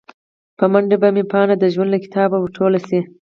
په منډه به مې پاڼه د ژوند له کتابه ور ټوله شي